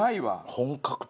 本格的！